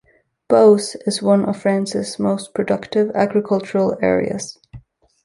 Beauce is one of France's most productive agricultural areas.